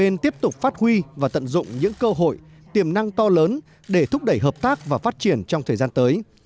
nên tiếp tục phát huy và tận dụng những cơ hội tiềm năng to lớn để thúc đẩy hợp tác và phát triển trong thời gian tới